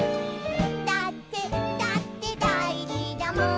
「だってだってだいじだもん」